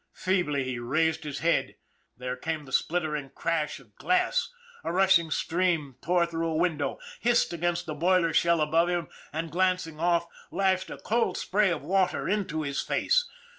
Feebly he raised his head there came the splintering crash of glass, a rushing stream tore through a window, hissed against the boiler shell above him, and, glancing off, lashed a cold spray of water into his face.